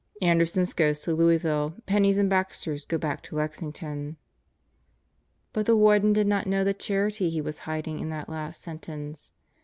"Anderson's goes to Louisville. Penney's and Baxter's go back to Lexington." But the Warden did not know the charity he was hiding in that last sentence.